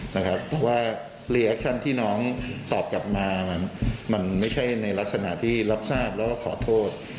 แต่ว่ารีแอคชั่นที่น้องตอบกลับมามันไม่ใช่ในลักษณะที่รับทราบแล้วก็ขอโทษ